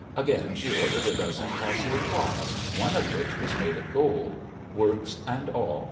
Again she ordered a dozen costly clocks, one of which was made of gold, works and all.